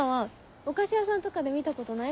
お菓子屋さんとかで見たことない？